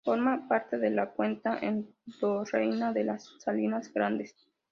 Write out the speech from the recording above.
Forma parte de la cuenca endorreica de las Salinas Grandes.